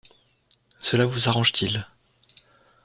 Cela vous arrange-t-il?